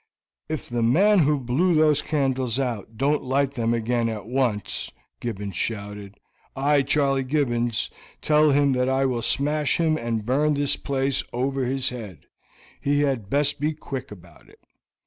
"If the man who blew those candles out don't light them again at once," Gibbons shouted, "I, Charley Gibbons, tell him that I will smash him and burn this place over his head; he had best be quick about it."